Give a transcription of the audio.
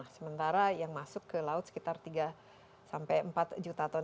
sementara yang masuk ke laut sekitar tiga sampai empat juta ton